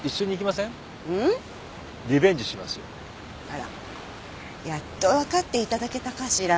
あら。やっと分かっていただけたかしら？